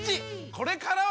これからは！